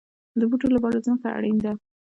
د بوټو لپاره ځمکه اړین ده